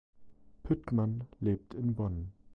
Püttmann lebt in Bonn.